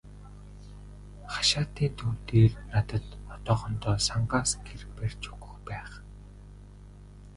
Хашаатын төв дээр надад одоохондоо сангаас гэр барьж өгөх байх.